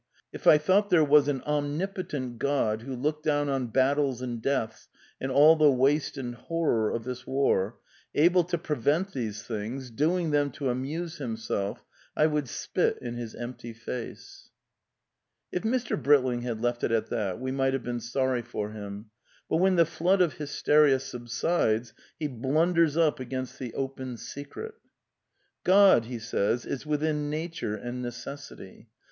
if I thought there was an omnipotent God who looked down on battles and deaths and all the waste and horror of this war — able to prevent these things — doing them to amuse himself — I would spit in his empty face. ...'" (Mr. BrUling Sees It Through, p. 397.) If Mr. Britling had left it " at that " we might have been sorry for him. But when the flood of hysteria sub sides, he blunders up against the Open Secret. "* God is within Nature and necessity.